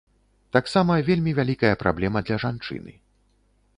Таксама вельмі вялікая праблема для жанчыны.